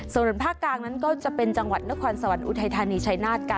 ส่วนภาคกลางนั้นก็จะเป็นจังหวัดนครสวรรค์อุทัยธานีชัยนาธค่ะ